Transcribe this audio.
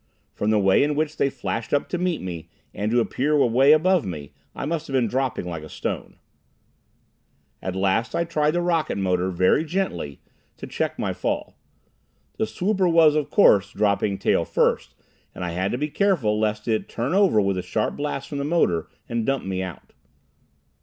From the way in which they flashed up to meet me and to appear away above me, I must have been dropping like a stone. At last I tried the rocket motor, very gently, to check my fall. The swooper was, of course, dropping tail first, and I had to be careful lest it turn over with a sharp blast from the motor, and dump me out.